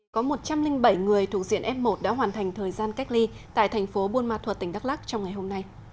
có một trăm linh bảy người thuộc diện f một đã hoàn thành thời gian cách ly tại thành phố buôn ma thuật tỉnh đắk lắc trong ngày hôm nay